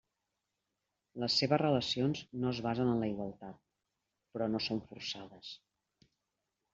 Les seves relacions no es basen en la igualtat; però no són forçades.